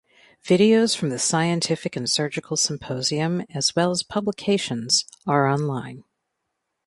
Videos from the scientific and surgical symposium as well as publications are online.